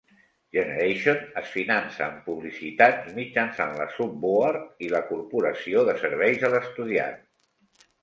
"Generation" es finança amb publicitat i mitjançant la Sub-Board I, la corporació de serveis a l'estudiant.